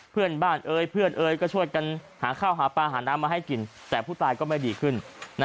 เพื่อนบ้านเอ๋ยเพื่อนเอ๋ยก็ช่วยกันหาข้าวหาปลาหาน้ำมาให้กินแต่ผู้ตายก็ไม่ดีขึ้น